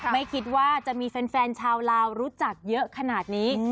ไม่คิดว่าจะมีแฟนชาวลาวรู้จักเยอะขนาดนี้